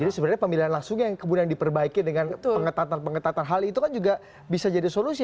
jadi sebenarnya pemilihan langsung yang kemudian diperbaiki dengan pengetatan pengetatan hal itu kan juga bisa jadi solusi